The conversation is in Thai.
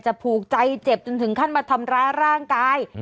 ผูกใจเจ็บจนถึงขั้นมาทำร้ายร่างกาย